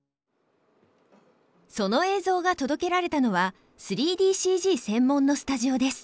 その映像が届けられたのは３ＤＣＧ専門のスタジオです。